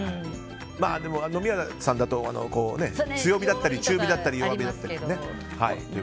でも、飲み屋さんだと強火だったり中火だったり弱火だったりね。